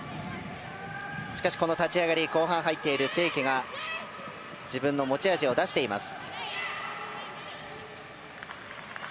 しかし、この立ち上がり後半から入っている清家が自分の持ち味を出しています。